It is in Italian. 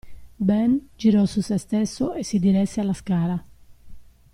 Ben girò su se stesso e si diresse alla scala.